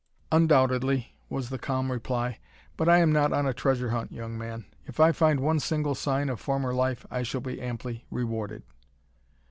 "Undoubtedly," was the calm reply. "But I am not on a treasure hunt, young man. If I find one single sign of former life, I shall be amply rewarded."